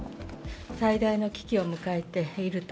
最大の危機を迎えていると。